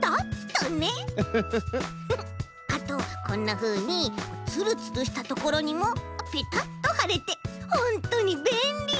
あとこんなふうにツルツルしたところにもぺたっとはれてほんとにべんり！